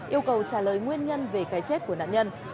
yêu cầu trả lời nguyên nhân về cái chết của nạn nhân